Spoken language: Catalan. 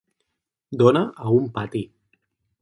Dona a un pati.